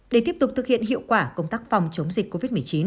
để tiếp tục thực hiện hiệu quả công tác phòng chống dịch covid một mươi chín